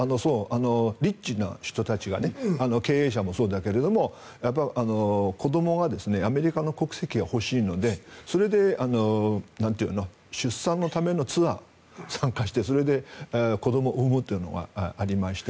リッチな人たちが経営者もそうだけど子どもがアメリカの国籍が欲しいのでそれで出産のためのツアーに参加してそれで子どもを産むというのがありまして。